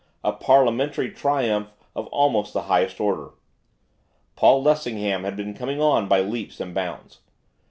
A parliamentary triumph of almost the highest order. Paul Lessingham had been coming on by leaps and bounds.